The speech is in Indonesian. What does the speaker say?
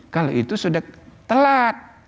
kalau itu sudah telat